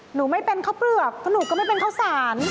หนูไม่เป็นข้าวเปลือกเพราะหนูก็ไม่เป็นข้าวสาร